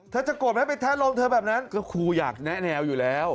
ถ้าจะโกรธไหมไปทะลมเธอแบบนั้นก็ครูอยากแนะแนวอยู่แล้ว